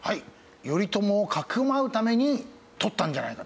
頼朝をかくまうために取ったんじゃないかと。